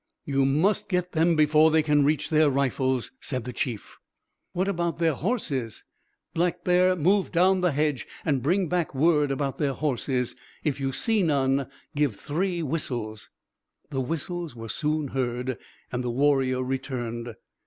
"You must get them before they can reach their rifles," said the Chief. "What about their horses? Black Bear, move down the hedge and bring back word about their horses. If you see none give three whistles." The whistles were soon heard, and the warrior returned.